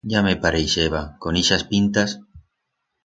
Ya me parixeba... con ixas pintas!